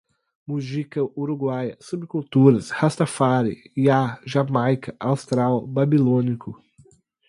Mujica, uruguaia, subculturas, rastafári, Jah, Jamaica, austral, babilônico